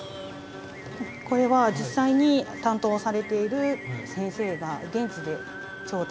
これは実際に担当されている先生が現地で調達してくるものなんです。